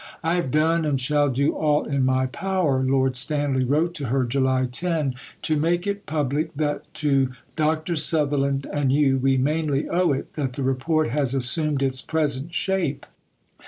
"I have done and shall do all in my power," Lord Stanley wrote to her (July 10), "to make it public that to Dr. Sutherland and you we mainly owe it that the Report has assumed its present shape."